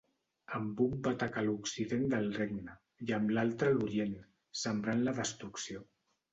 Amb un va atacar l'occident del regne i amb l'altre l'orient, sembrant la destrucció.